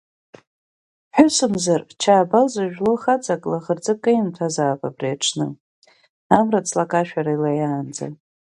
Ԥҳәысымзар, Чаабал зыжәлоу хаҵак лаӷырӡ кеимҭәазаап абри аҽны, амра ҵлакашәара илеиаанӡа.